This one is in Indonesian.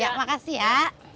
ya makasih ya